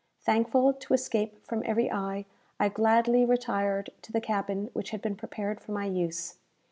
Thankful to escape from every eye, I gladly retired to the cabin which had been prepared for my use.